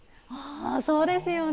あそうですよね。